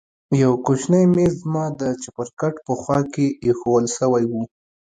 يو کوچنى ميز زما د چپرکټ په خوا کښې ايښوول سوى و.